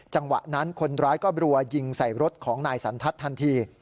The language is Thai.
จังหวะนั้นคนร้ายก็บรัวยิงใส่รถของนายสันทัศน์ทันที